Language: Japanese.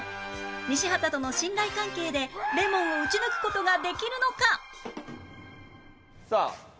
西畑との信頼関係でレモンを打ち抜く事ができるのか？